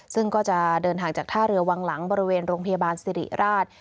ซึ่งก็จะเดินห่างจากท่าเรือวังหลังบริเวณโรงพยาบาลสิริราช